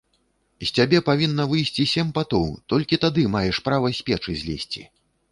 З цябе павінна выйсці сем патоў, толькі тады маеш права з печы злезці!